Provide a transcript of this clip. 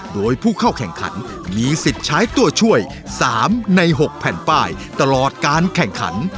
โดยผู้เข้าแข่งขันมีสิทธิ์ใช้ตัวช่วย๓ใน๖แผ่นป้ายตลอดการแข่งขัน